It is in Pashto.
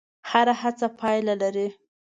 هره هڅه پایله لري.